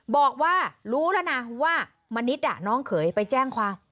บอกว่ารู้แล้วนะว่ามณิษฐ์น้องเขยไปแจ้งความ